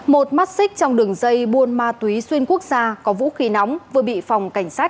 một mắt xích trong đường dây buôn ma túy xuyên quốc gia có vũ khí nóng vừa bị phòng cảnh sát